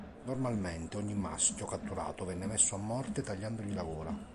Normalmente, ogni maschio catturato venne messo a morte tagliandogli la gola.